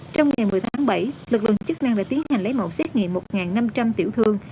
trong ngày một mươi tháng bảy lực lượng chức năng đã tiến hành lấy mẫu xét nghiệm một năm trăm linh tiểu thương